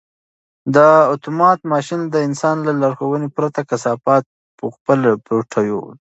دا اتومات ماشین د انسان له لارښوونې پرته کثافات په خپله ټولوي.